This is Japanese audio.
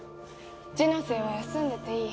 一ノ瀬は休んでていい。